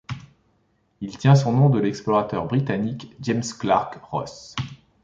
Il tient son nom de l'explorateur britannique James Clark Ross.